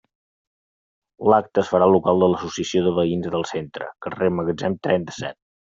L'acte es farà al local de l'Associació de Veïns del Centre, carrer Magatzem, trenta-set.